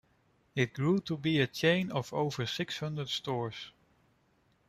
It grew to be a chain of over six hundred stores.